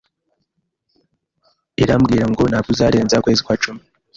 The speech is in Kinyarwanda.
irambwirango ntabwo uzarenza ukwezi kwa cumi